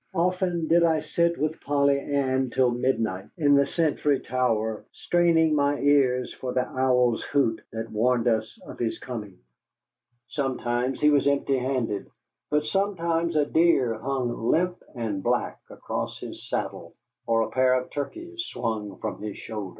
Often did I sit with Polly Ann till midnight in the sentry's tower, straining my ears for the owl's hoot that warned us of his coming. Sometimes he was empty handed, but sometimes a deer hung limp and black across his saddle, or a pair of turkeys swung from his shoulder.